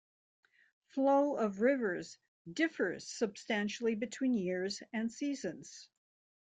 Flow of rivers differs substantially between years and seasons.